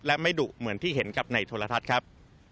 และไม่ดุเหมือนที่เห็นกับในโทรทัศน์ครับ